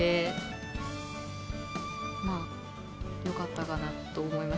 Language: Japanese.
まあよかったかなと思います。